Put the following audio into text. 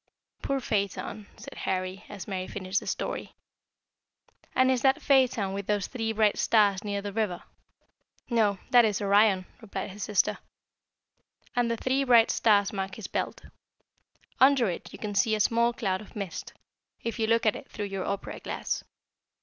'" "Poor Phaeton," said Harry, as Mary finished the story. "And is that Phaeton with those three bright stars near the river?" [Illustration: CLOUD OF STAR MIST IN ORION.] "No; that is Orion," replied his sister, "and the three bright stars mark his belt. Under it you can see a small cloud of mist, if you look at it through your opera glass.